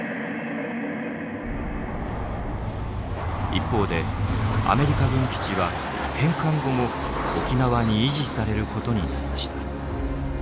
一方でアメリカ軍基地は返還後も沖縄に維持されることになりました。